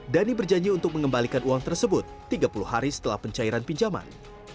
dhani berjanji untuk mengembalikan uang tersebut tiga puluh hari setelah pencairan pinjaman